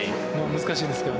難しいですけどね。